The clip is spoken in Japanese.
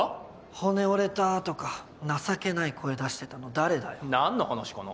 「骨折れた」とか情けない声出してたの誰だよ。何の話かな。